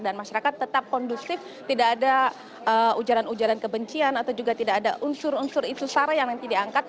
dan masyarakat tetap kondusif tidak ada ujaran ujaran kebencian atau juga tidak ada unsur unsur itu secara yang nanti diangkat